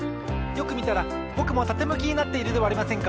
よくみたらぼくもたてむきになっているではありませんか！